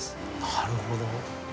なるほど。